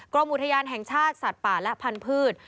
กรมอุทยานแห่งชาติสัตว์ป่าและพันธุ์